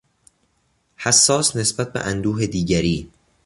حساس نسبت به اندوه دیگری